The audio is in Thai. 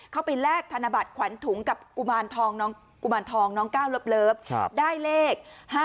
เข้าไปแลกธนบัตรขวัญถุงกับกุมารทองน้องก้าวเลิฟได้เลข๕๙๕